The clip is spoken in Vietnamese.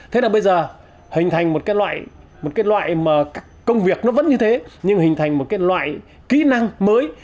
thế là bây giờ hình thành một cái loại công việc nó vẫn như thế nhưng hình thành một cái loại kỹ năng mới